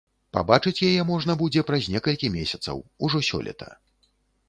Пабачыць яе можна будзе праз некалькі месяцаў, ужо сёлета.